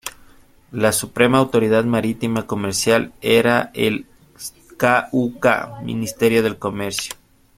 La suprema autoridad marítima comercial era el k.u.k Ministerio de Comercio.